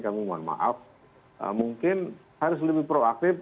kami mohon maaf mungkin harus lebih proaktif